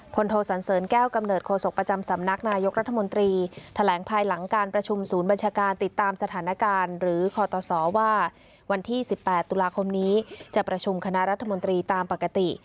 โทสันเสริญแก้วกำเนิดโศกประจำสำนักนายกรัฐมนตรีแถลงภายหลังการประชุมศูนย์บัญชาการติดตามสถานการณ์หรือคอตสว่าวันที่๑๘ตุลาคมนี้จะประชุมคณะรัฐมนตรีตามปกติ